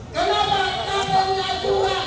karena ada yang suka